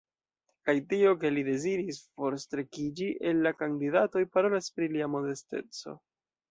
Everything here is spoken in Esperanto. Kaj tio, ke li deziris forstrekiĝi el la kandidatoj, parolas pri lia modesteco.